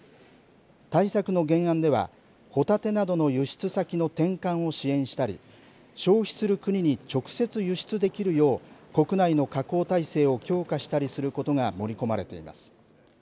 対策の原案では帆立てなどの輸出先の転換を支援したり消費する国に直接輸出できるよう国内の加工体制を強化することが盛り込まれています。